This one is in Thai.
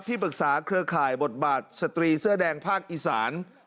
ปรึกษาเครือข่ายบทบาทสตรีเสื้อแดงภาคอีสาน